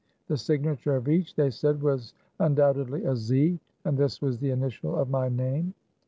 The signature of each, they said, was undoubtedly a Z, and this was the initial of my name.